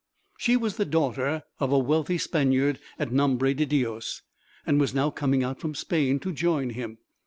She was the daughter of a wealthy Spaniard, at Nombre de Dios, and was now coming out from Spain to join him.